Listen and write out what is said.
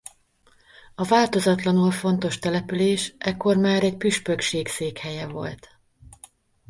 A változatlanul fontos település ekkor már egy püspökség székhelye volt.